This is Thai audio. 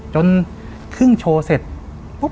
จนครึ่งโชว์เสร็จ